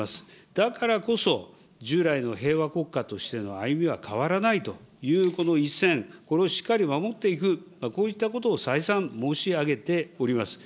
だからこそ、従来の平和国家としての歩みは変わらないというこの一線、これをしっかり守っていく、こういったことを再三申し上げております。